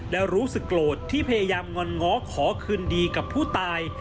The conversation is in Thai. และรู้สึกโกรธที่พยายามงอนง้อขอคืนดีกับผู้ตาย